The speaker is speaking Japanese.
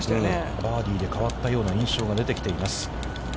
バーディーで変わったような印象が出てきています。